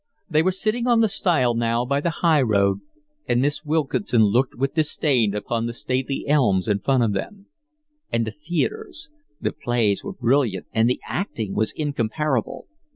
They were sitting on a stile now by the high road, and Miss Wilkinson looked with disdain upon the stately elms in front of them. And the theatres: the plays were brilliant, and the acting was incomparable.